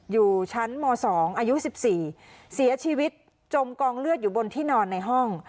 อยู่ชั้นม๒อายุ๑๔เสียชีวิตจมกองเลือดอยู่บนที่นอนในห้อง